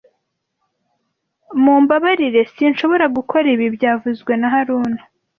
Mumbabarire, sinshobora gukora ibi byavuzwe na haruna